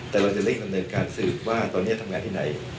แต่เราจะเร่งดำเนินการสืบว่าตอนนี้ทำงานที่ไหน